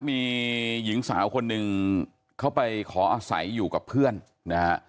มีหญิงสาวคนหนึ่งเขาไปขออาศัยอยู่กับเพื่อนนะฮะ